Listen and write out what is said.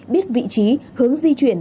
biết vị trí hướng di chuyển